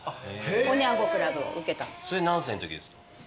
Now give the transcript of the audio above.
それ何歳のときですか？